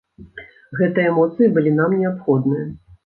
Гэтыя эмоцыі былі нам неабходныя.